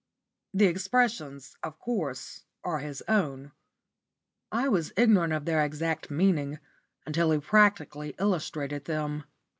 The expressions, of course, are his own. I was ignorant of their exact meaning until he practically illustrated them.